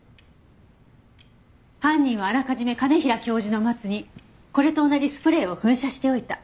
犯人はあらかじめ兼平教授のマツにこれと同じスプレーを噴射しておいた。